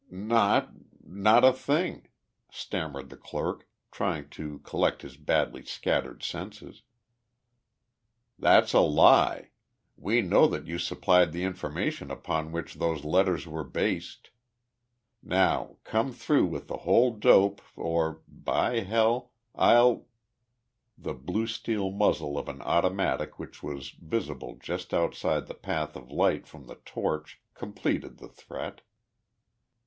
"Not not a thing," stammered the clerk, trying to collect his badly scattered senses. "That's a lie! We know that you supplied the information upon which those letters were based! Now come through with the whole dope or, by hell I'll " the blue steel muzzle of an automatic which was visible just outside the path of light from the torch completed the threat.